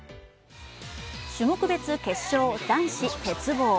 種目別決勝、男子・鉄棒。